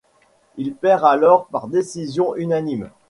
Il perd alors par décision unanime.